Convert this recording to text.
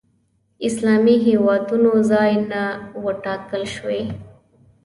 اسلامي هېوادونو ځای نه و ټاکل شوی